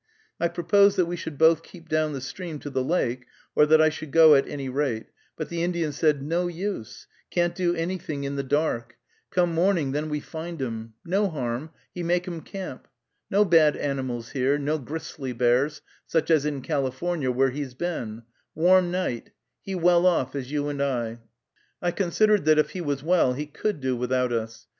I proposed that we should both keep down the stream to the lake, or that I should go at any rate, but the Indian said: "No use, can't do anything in the dark; come morning, then we find 'em. No harm, he make 'em camp. No bad animals here, no gristly bears, such as in California, where he's been, warm night, he well off as you and I." I considered that if he was well he could do without us.